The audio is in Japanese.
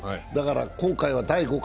今回が第５回。